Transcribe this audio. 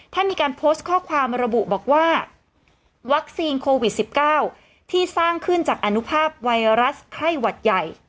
มีการโพสต์ข้อความระบุบอกว่าวัคซีนโควิด๑๙ที่สร้างขึ้นจากอนุภาพไวรัสไข้หวัดใหญ่